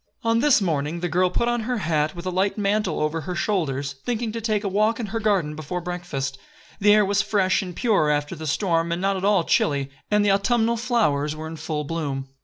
On this morning the girl put on her hat, with a light mantle over her shoulders, thinking to take a walk in her garden before breakfast. The air was fresh and pure after the storm and not at all chilly, and the autumnal flowers were in full bloom.